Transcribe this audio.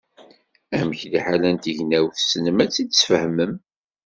Amek, liḥala n tegnawt tessnem ad tt-id-tesfehmem.